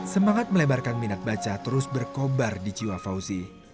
semangat melebarkan minat baca terus berkobar di jiwa fauzi